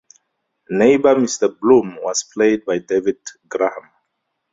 Neighbour Mr Bloom was played by David Graham.